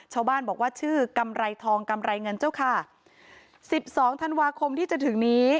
ชาวบ้านบอกว่าชื่อกำไรทองกำไรเงินเจ้าค่ะสิบสองธันวาคมที่จะถึงนี้